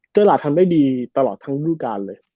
ตลาดทำได้ดีตลอดทั้งรูปการณ์เลย